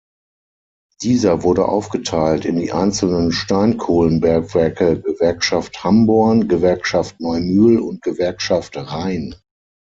Dieser wurde aufgeteilt in die einzelnen Steinkohlenbergwerke Gewerkschaft Hamborn, Gewerkschaft Neumühl und Gewerkschaft Rhein.